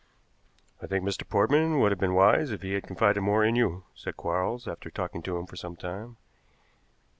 "I think Mr. Portman would have been wise if he had confided more in you," said Quarles, after talking to him for some time.